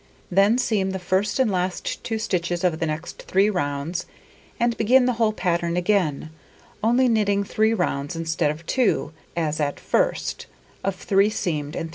Then seam the first and last 2 stitches of the next 3 rounds, and begin the whole pattern again, only knitting 3 rounds instead of 2, as at first, of 3 seamed and 3 plain.